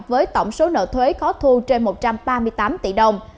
với tổng số nợ thuế có thu trên một trăm ba mươi tám tỷ đồng